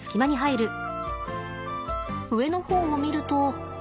上の方を見ると。